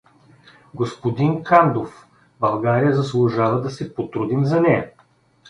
— Господин Кандов, България заслужава да се потрудим за нея.